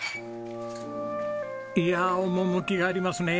いや趣がありますね。